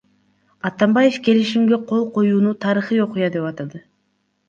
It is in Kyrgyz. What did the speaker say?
Атамбаев келишимге кол коюуну тарыхый окуя деп атады.